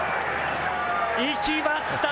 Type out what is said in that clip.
行きました。